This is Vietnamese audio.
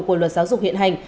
của luật giáo dục hiện hành